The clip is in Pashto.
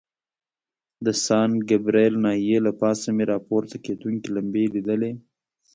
د سان ګبریل ناحیې له پاسه مې را پورته کېدونکي لمبې لیدلې.